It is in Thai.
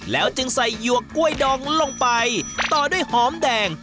แล้วจึงใส่หยวกกล้วยดองลงไปต่อด้วยหอมแดง